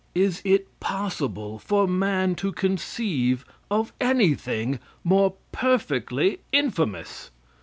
Is it possible for man to conceive of anything more perfectly infamous?